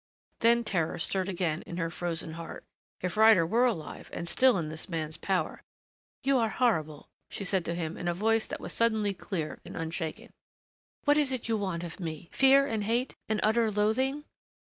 Then terror stirred again in her frozen heart. If Ryder were alive and still in this man's power "You are horrible," she said to him in a voice that was suddenly clear and unshaken. "What is it you want of me fear and hate and utter loathing?"